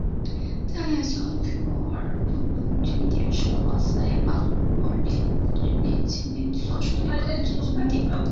特列索鲁科沃农村居民点是俄罗斯联邦沃罗涅日州利斯基区所属的一个农村居民点。